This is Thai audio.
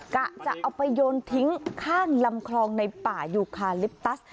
กะจะเอาไปโยนทิ้งข้างลำคลองในป่ายูคาลิปตัส